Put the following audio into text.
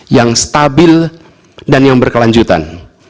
yang stabil dan yang berkelanjutan